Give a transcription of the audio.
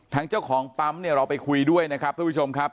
เจ้าของปั๊มเนี่ยเราไปคุยด้วยนะครับทุกผู้ชมครับ